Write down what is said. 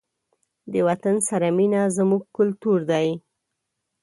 د وطن سره مینه زموږ کلتور دی.